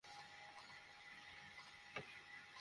মদীনাবাসী ঘোর মহাবিপদে নিপতিত।